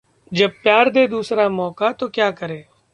जब प्यार दे दूसरा मौका तो क्या करें...